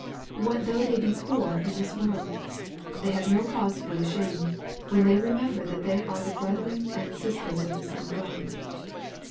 What though they be poor in this world ? They have no cause to be ashamed, when they remember that they are the brethren and sisters of the Son of G od.